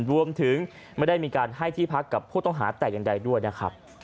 รวมถึงไม่ได้มีการให้ที่พักกับผู้ต้องหาแต่อย่างใดด้วยนะครับ